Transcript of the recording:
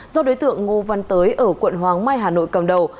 do đối tượng ngô văn tới ở quận hoàng mai hà nội cầm đầu